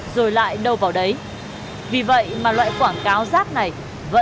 rồi lại đưa ra quán đồ thị